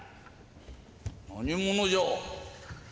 何者じゃ？